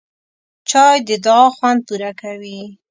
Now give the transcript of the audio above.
چای د دعا خوند پوره کوي